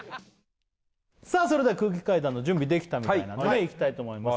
さあそれでは空気階段の準備できたみたいなのでいきたいと思います